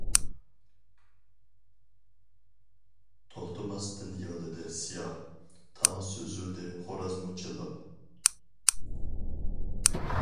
توختىماستىن يىغلىدى سىياھ، تاڭ سۈزۈلدى خورازمۇ چىللاپ.